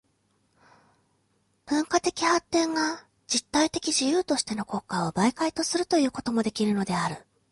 文化的発展が実体的自由としての国家を媒介とするということもできるのである。